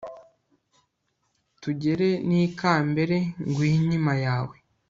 tugere n' ikambere nguhe inkima yawe